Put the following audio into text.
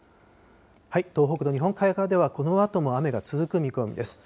東北の日本海側ではこのあとも雨が続く見込みです。